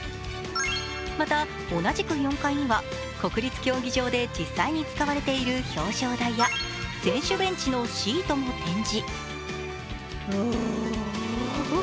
また同じく４階には国立競技場で実際に使われている表彰台や選手ベンチのシートも展示。